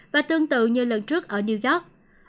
và tương tự như lần trước ở new york